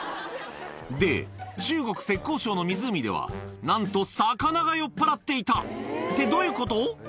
で、中国・浙江省の湖では、なんと魚が酔っ払っていた、ってどういうこと？